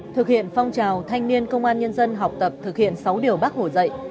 thực hiện phong trào thanh niên công an nhân dân học tập thực hiện sáu điều bác hồ dạy